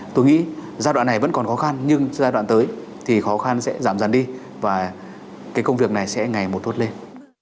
tôi nghĩ giai đoạn này vẫn còn khó khăn nhưng giai đoạn tới thì khó khăn sẽ giảm dần đi và cái công việc này sẽ ngày một tốt lên